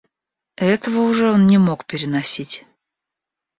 Этого уже он не мог переносить.